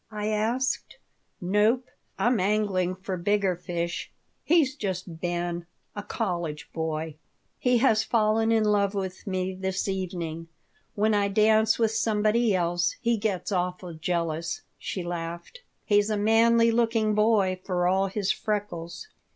I asked "Nope. I'm angling for bigger fish. He's just Ben, a college boy. He has fallen in love with me this evening. When I dance with somebody else he gets awful jealous." She laughed. "He's a manly looking boy, for all his freckles."